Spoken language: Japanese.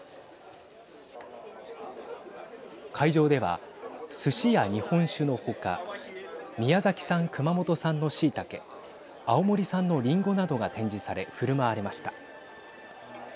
会場では、すしや日本酒の他宮崎産、熊本産のしいたけ青森産のりんごなどが展示されふるまわれました。